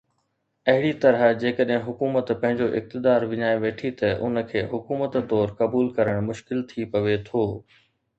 اهڙي طرح جيڪڏهن حڪومت پنهنجو اقتدار وڃائي ويٺي ته ان کي حڪومت طور قبول ڪرڻ مشڪل ٿي پوي ٿو.